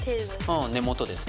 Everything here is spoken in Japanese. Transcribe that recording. ああ根元ですね。